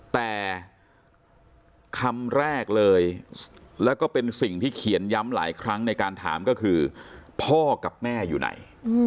แต่คำแรกเลยแล้วก็เป็นสิ่งที่เขียนย้ำหลายครั้งในการถามก็คือพ่อกับแม่อยู่ไหน